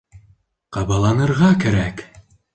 Ҡабаланырға кәрәк.